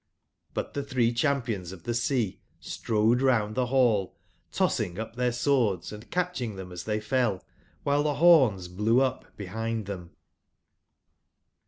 But tbe tbree Cbampions of tbe Sea strode round tbe ball, tossing up tbeir swords & catcbing itbem as tbey fell, wbile tbe borns blew up bebind tbem.